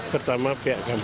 pertama pihak korban